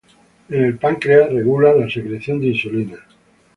En el páncreas regula la secreción de insulina.